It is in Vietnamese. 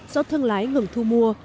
do thương lái ngừng thu mua